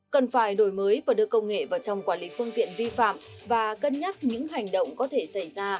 cần phải đổi mới và đưa công nghệ vào trong quản lý phương tiện vi phạm và cân nhắc những hành động có thể xảy ra